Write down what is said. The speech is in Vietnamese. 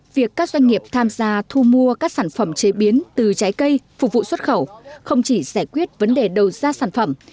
việc các doanh nghiệp tham gia thu mua các sản phẩm chế biến từ trái cây phục vụ xuất khẩu không chỉ giải quyết vấn đề đầu ra sản phẩm